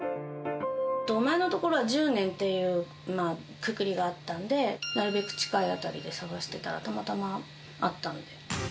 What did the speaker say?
前の所は１０年というくくりがあったんで、なるべく近い辺りで探してたら、たまたまあったので。